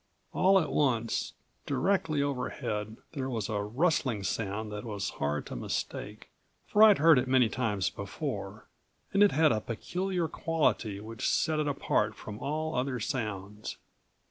All at once, directly overhead, there was a rustling sound that was hard to mistake, for I'd heard it many times before, and it had a peculiar quality which set it apart from all other sounds.